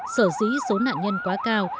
sở dĩ số nạn nhân quá cao